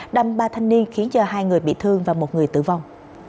đâm ba thanh niên khiến cho hai người bị thương và một người tử vong